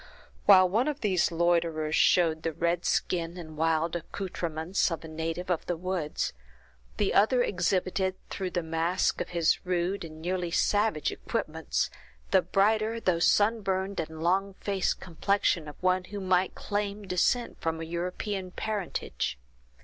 While one of these loiterers showed the red skin and wild accouterments of a native of the woods, the other exhibited, through the mask of his rude and nearly savage equipments, the brighter, though sun burned and long faced complexion of one who might claim descent from a European parentage.